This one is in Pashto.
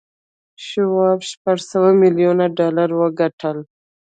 شواب شپږ سوه میلیون ډالر وګټل